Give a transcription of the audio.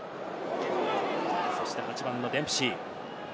そして８番のデンプシー。